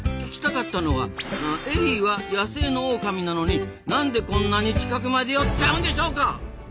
聞きたかったのはエリーは野生のオオカミなのになんでこんなに近くまで寄っちゃうんでしょうか？